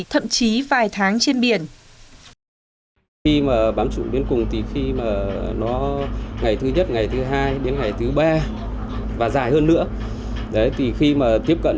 thậm chí vài tháng trên biển